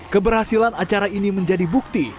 keberhasilan acara ini menjadi bukti